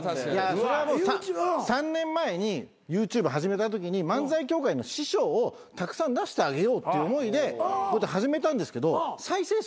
それはもう３年前にＹｏｕＴｕｂｅ始めたときに漫才協会の師匠をたくさん出してあげようっていう思いで始めたんですけど再生数が伸びないんですよ。